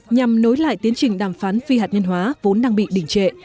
nhằm nối lại tiến trình đàm phán phi hạt nhân hóa vốn đang bị đỉnh trệ